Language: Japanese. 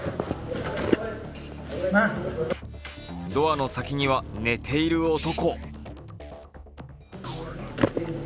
ドアの先には寝ている男。